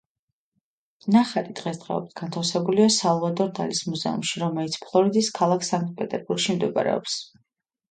ნახატი დღესდღეობით განთავსებულია სალვადორ დალის მუზეუმში, რომელიც ფლორიდის ქალაქ სანქტ-პეტერბურგში მდებარეობს.